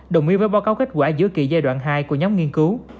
đồng ý với báo cáo kết quả giữa kỳ giai đoạn hai của nhóm nghiên cứu